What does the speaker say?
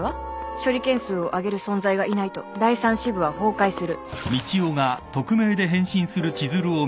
「処理件数をあげる存在がいないと第３支部は崩壊する」